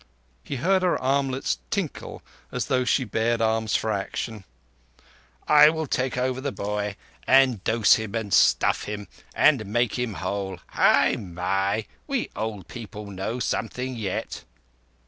He heard her armlets tinkle as though she bared arms for action. "I will take over the boy and dose him, and stuff him, and make him all whole. Hai! hai! We old people know something yet."